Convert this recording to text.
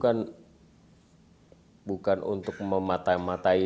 ini bukan untuk mematah matahi